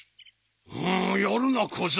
うむやるな小僧。